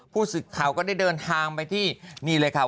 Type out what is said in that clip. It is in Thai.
ผู้สืบเขาก็ได้เดินทางไปที่นี่เลยค่ะ